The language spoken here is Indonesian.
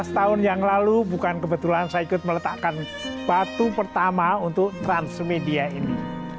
lima belas tahun yang lalu bukan kebetulan saya ikut meletakkan batu pertama untuk transmedia ini